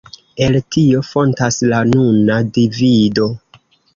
El tio fontas la nuna divido.